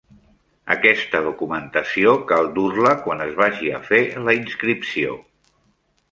Aquesta documentació cal dur-la quan es vagi a fer la inscripció.